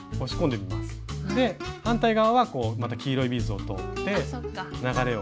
で反対側はまた黄色いビーズを通って流れを。